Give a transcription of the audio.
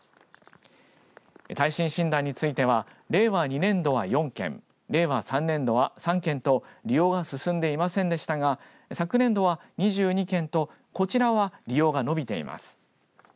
耐震診断については令和２年度は４件令和３年度は３件と利用が進んでいませんでしたが昨年度は、２２件とこちらは利用が伸びています。